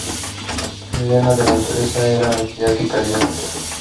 I Corps was moved to the east of the port to assist.